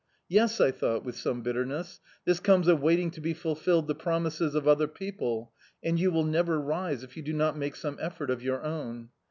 Yes, I thought, with some bitterness, this comes of waiting to be fulfilled the promises of other people; and you will never rise if you do not make some effort of your own.